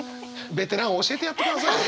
ベテラン教えてやってください！